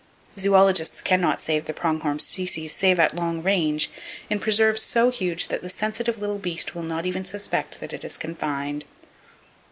Zoologists can not save the prong horn species save at long range, in preserves so huge that the sensitive little beast will not even suspect that it is confined.